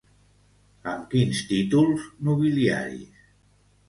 Amb quins títols nobiliaris?